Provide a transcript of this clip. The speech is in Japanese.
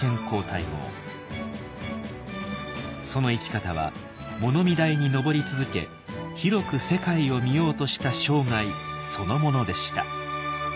その生き方は物見台に上り続け広く世界を見ようとした生涯そのものでした。